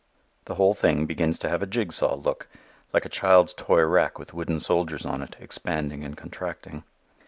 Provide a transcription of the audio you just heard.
The whole thing begins to have a jigsaw look, like a child's toy rack with wooden soldiers on it, expanding and contracting.